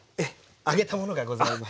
揚げたものがございます。